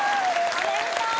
・おめでとう！